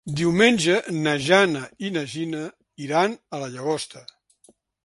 Diumenge na Jana i na Gina iran a la Llagosta.